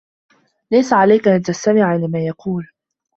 ليس عليك أن تستمع إلی ما يقول.